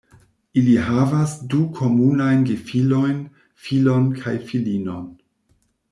Ili havas du komunajn gefilojn, filon kaj filinon.